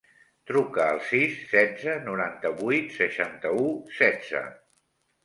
Truca al sis, setze, noranta-vuit, seixanta-u, setze.